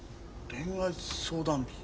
「恋愛相談日」？